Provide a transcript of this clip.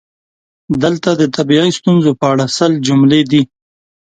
دلته د طبیعي ستونزو په اړه سل جملې دي: